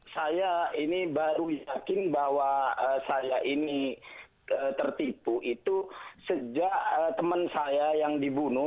saya ini baru yakin bahwa saya ini tertipu itu sejak teman saya yang dibunuh